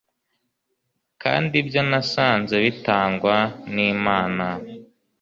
kandi ibyo nasanze bitangwa n'imana